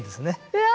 うわ！